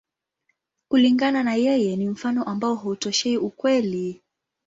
Kulingana na yeye, ni mfano ambao hautoshei ukweli.